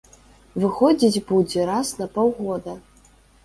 Выходзіць будзе раз на паўгода.